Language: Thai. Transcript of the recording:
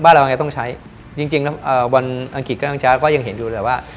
บ้านเรายังไงต้องใช้จริงแล้วบนอังกฤษก็ยังเห็นดูแลว่า